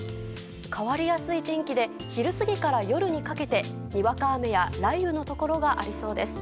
変わりやすい天気で昼過ぎから夜にかけてにわか雨や雷雨のところがありそうです。